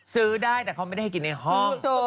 ซื้อได้แต่เขาไม่ได้ให้กินในห้อง